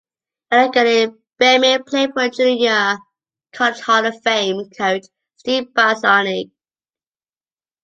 At Allegany, Beimel played for Junior College Hall of Fame Coach Steve Bazarnic.